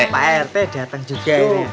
pak rt datang juga